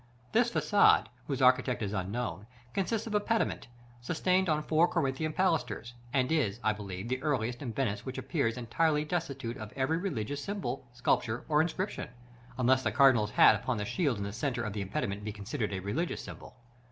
This façade, whose architect is unknown, consists of a pediment, sustained on four Corinthian pilasters, and is, I believe, the earliest in Venice which appears entirely destitute of every religious symbol, sculpture, or inscription; unless the Cardinal's hat upon the shield in the centre of the impediment be considered a religious symbol.